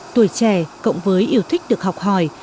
tuổi trẻ cộng với yêu thích được học hỏi